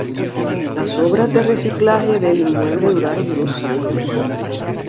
Las obras de reciclaje del inmueble duraron dos años.